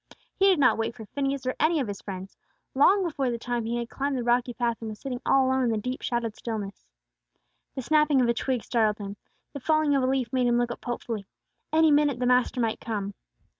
He did not wait for Phineas or any of his friends. Long before the time, he had climbed the rocky path, and was sitting all alone in the deep shadowed stillness. The snapping of a twig startled him; the falling of a leaf made him look up hopefully. Any minute the Master might come.